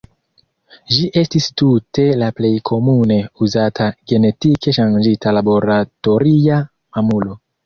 Ĝi estis tute la plej komune uzata genetike ŝanĝita laboratoria mamulo.